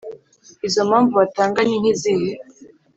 Izo mpamvu batanga ni nk’izihe?